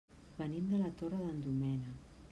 Venim de la Torre d'en Doménec.